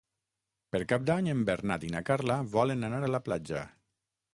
Per Cap d'Any en Bernat i na Carla volen anar a la platja.